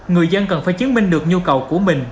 người dân cần phải chứng minh được nhu cầu của mình